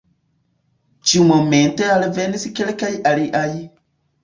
Ĉiumomente alvenis kelkaj aliaj.